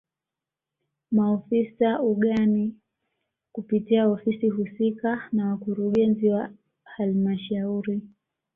Maofisa ugani kupitia ofisi husika na wakurugenzi wa halmashauri